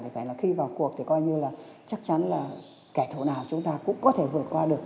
phải là khi vào cuộc thì coi như là chắc chắn là kẻ thù nào chúng ta cũng có thể vượt qua được